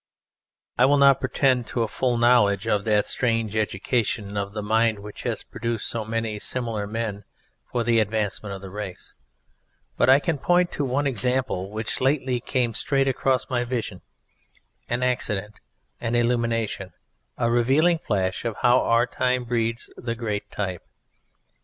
I will not pretend to a full knowledge of that strange education of the mind which has produced so many similar men for the advancement of the race, but I can point to one example which lately came straight across my vision an accident, an illumination, a revealing flash of how our time breeds the Great Type.